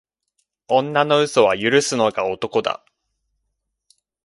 女の嘘は許すのが男だ。